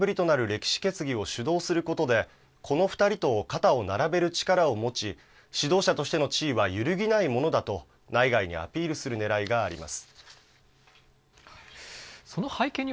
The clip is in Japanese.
つまり、習氏にとっては、４０年ぶりとなる歴史決議を主導することで、この２人と肩を並べる力を持ち、指導者としての地位は揺るぎないものだと、内外にアピールするねらいがあります。